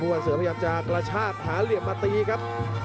วันเสือพยายามจะกระชากหาเหลี่ยมมาตีครับ